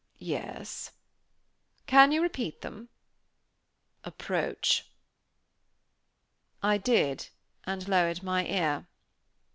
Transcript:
"Yes." "Can you repeat them?" "Approach." I did, and lowered my ear.